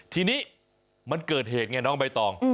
ทีนี้มันเกิดเหตุไงน้องใบตอง